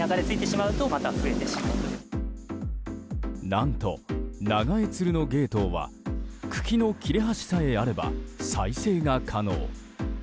何とナガエツルノゲイトウは茎の切れ端さえあれば再生が可能。